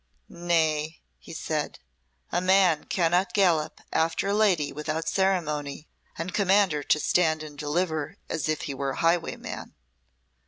"Nay," he said, "a man cannot gallop after a lady without ceremony, and command her to stand and deliver as if he were a highwayman.